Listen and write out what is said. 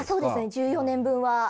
１４年分は。